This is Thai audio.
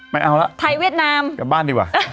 ไม่เอาละไปบ้านดีว่ะ